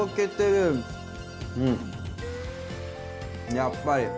やっぱり。